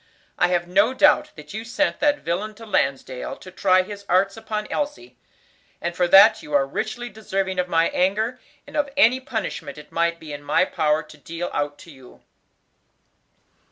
I have no doubt that you sent that villain to Lansdale to try his arts upon Elsie; and for that you are richly deserving of my anger, and of any punishment it might be in my power to deal out to you.